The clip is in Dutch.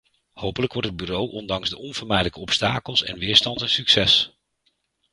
Hopelijk wordt het bureau ondanks de onvermijdelijke obstakels en weerstand een succes.